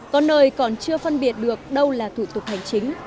có nơi còn chưa phân biệt được đâu là thủ tục hành chính